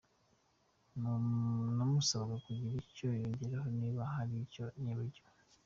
Namusabaga kugira icyo yongeraho niba hari icyo nibagiwe.